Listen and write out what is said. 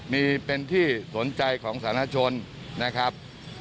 มีเป็นที่สนใจของสาธารณชนนะครับ